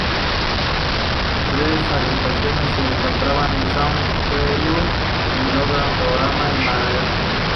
Tres agrupaciones se encontraban en San Feliu de Llobregat, Tarragona y Manresa.